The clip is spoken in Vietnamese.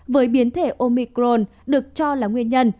với biến thể omicron được cho là nguyên nhân